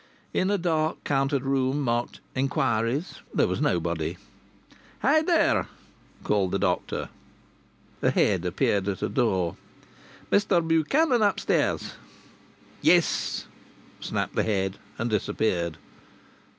In a dark, countered room marked "Enquiries" there was nobody. "Hi, there!" called the doctor. A head appeared at a door. "Mr Buchanan upstairs?" "Yes," snapped the head, and disappeared.